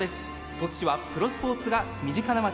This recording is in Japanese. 鳥栖市はプロスポーツが身近な街。